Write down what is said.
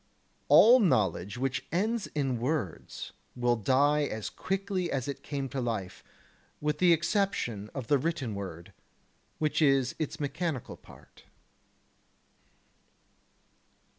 All knowledge which ends in words will die as quickly as it came to life, with the exception of the written word: which is its mechanical part.